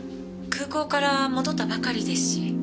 空港から戻ったばかりですし。